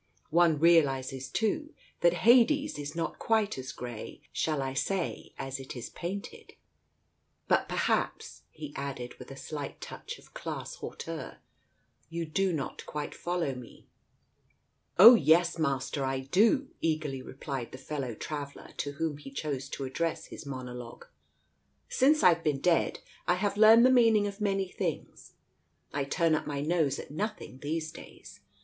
One realizes, too, that Hades is not quite as grey, shall I say, as it is painted ! But perhaps," he added, with a slight touch of class hauteur, "you do not quite foHow me ?" "Oh yes, Master, I do," eagerly replied the fellow traveller to whom he chose to address his monologue. "Since I've been dead, I have learned the meaning of many things. I turn up my nose at nothing these days.